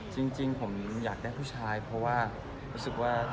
จริงผมอยากได้ผู้ชายเพราะว่า